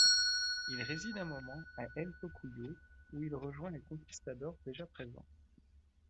Il réside un moment à El Tocuyo où il rejoint les conquistadors déjà présents.